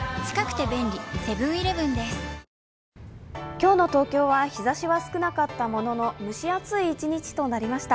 今日の東京は日ざしは少なかったものの蒸し暑い一日となりました。